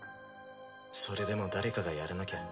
それでも誰かがやらなきゃ。